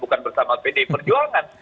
itu bukan bersama pd perjuangan